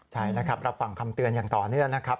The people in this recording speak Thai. ใช่นะครับรับฟังคำเตือนอย่างต่อเนื่องนะครับ